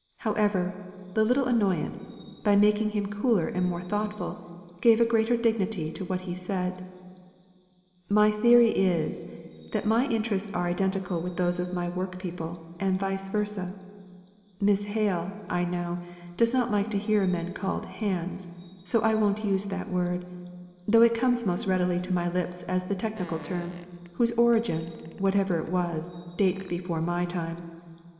However, the little annoyance, by making him cooler and more thoughtful, gave a greater dignity to what he said: "My theory is, that my interests are identical with those of my workpeople, and vice versa. Miss Hale, I know, does not like to hear men called 'hands,' so I won't use that word, though it comes most readily to my lips as the technical term, whose origin, whatever it was, dates before my time.